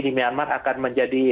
di myanmar akan menjadi